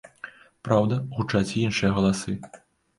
Праўда, гучаць і іншыя галасы.